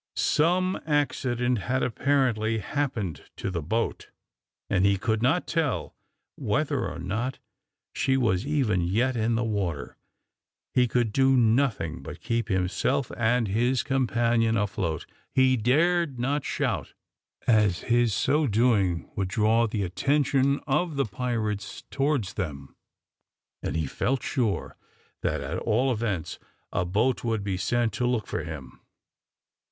Some accident had, apparently, happened to the boat, and he could not tell whether or not she was even yet in the water. He could do nothing but keep himself and his companion afloat. He dared not shout, as his so doing would draw the attention of the pirates towards them, and he felt sure that, at all events, a boat would be sent to look for him.